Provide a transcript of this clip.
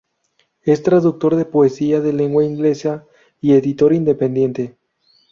Es traductor de poesía de lengua inglesa y editor independiente.